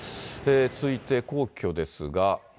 続いて皇居ですが。